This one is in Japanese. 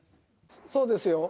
そうですよ。